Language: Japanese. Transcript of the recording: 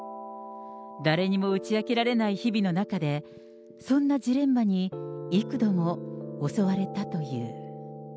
誰にも打ち明けられない日々の中で、そんなジレンマに幾度も襲われたという。